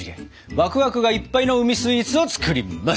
ワクワクがいっぱいの海スイーツを作ります！